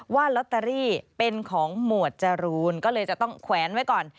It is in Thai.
ว่าลอตเตอรี่เป็นของหมวดจรูนก็เลยจะต้องแขวนไว้ก่อน